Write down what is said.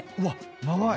長い！